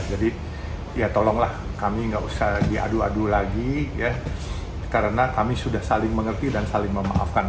jadi ya tolonglah kami gak usah diadu adu lagi ya karena kami sudah saling mengerti dan saling memaafkan